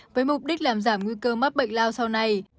với mục đích làm giảm nguy cơ mắc bệnh lao sau này